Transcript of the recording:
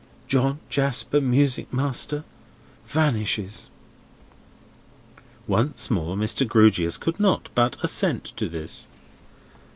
—John Jasper, Music Master, vanishes!"— Once more, Mr. Grewgious could not but assent to this.